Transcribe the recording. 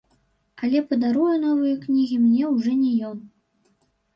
Але падаруе новыя кнігі мне ўжо не ён.